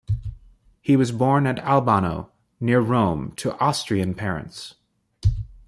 He was born at Albano, near Rome, to Austrian parents.